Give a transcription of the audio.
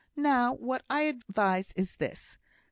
Now, what I advise is this.